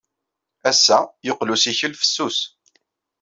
Ass-a, yeqqel ussikel fessus.